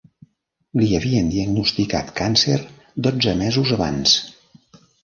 Li havien diagnosticat càncer dotze mesos abans.